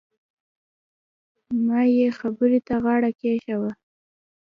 ما يې خبرې ته غاړه کېښووه.